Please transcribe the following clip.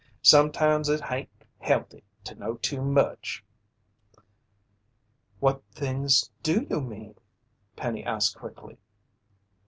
Sometimes it hain't healthy to know too much." "What things do you mean?" Penny asked quickly.